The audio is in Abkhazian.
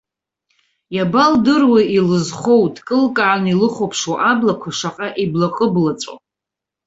Иабалдыруеи илызхоу, дкылкааны илыхәаԥшуа аблақәа шаҟа иблаҟыблаҵәо.